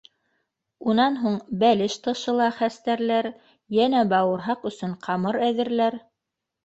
Унан һуң бәлеш тышы ла хәстәрләр, йәнә бауырһаҡ өсөн ҡамыр әҙерләр.